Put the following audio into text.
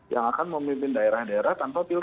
yang akan memimpin daerah daerah tanpa pilkada